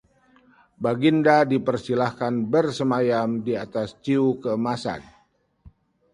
Baginda dipersilakan bersemayam di atas ciu keemasan